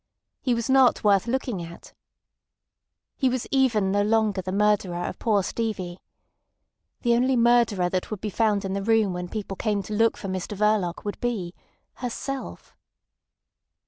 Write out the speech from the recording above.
He was not worth looking at. He was even no longer the murderer of poor Stevie. The only murderer that would be found in the room when people came to look for Mr Verloc would be—herself!